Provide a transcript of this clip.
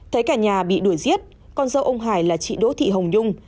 thấy cả nhà bị đuổi giết con dâu ông hải là chị đỗ thị hồng nhung